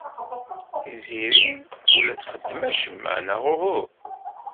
Tiziri ur la txeddem acemma neɣ uhu?